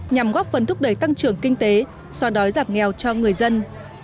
nhằm góp phần thúc đẩy tăng trưởng kinh tế so đói giảm nghèo cho người dân